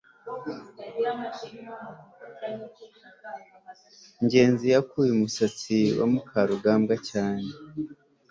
ngenzi yakuye umusatsi wa mukarugambwa cyane